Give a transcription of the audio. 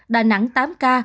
đà nẵng tám ca